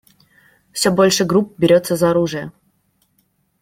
Все больше групп берется за оружие.